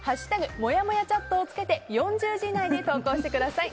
「＃もやもやチャット」を付けて４０文字以内で投稿してください。